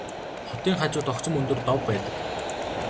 Хотын хажууд огцом өндөр дов байдаг.